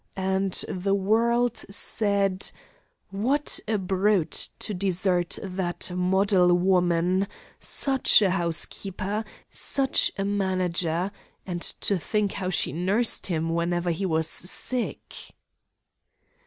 And the world said: 'What a brute to desert that model woman! Such a housekeeper! Such a manager! And to think how she nursed him whenever he was sick!'